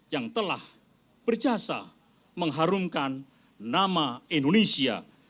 yang telah berjasa mengharumkan nama indonesia